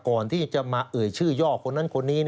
ก่อนที่จะมาเอ่ยชื่อย่อคนนั้นคนนี้